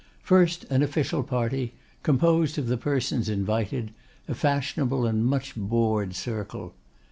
First, an official party, composed of the persons invited, a fashionable and much bored circle.